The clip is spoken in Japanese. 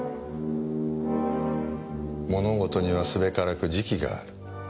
物事にはすべからく時期がある。